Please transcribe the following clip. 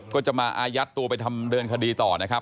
ก็จะมาอายัดตัวไปทำเดินคดีต่อนะครับ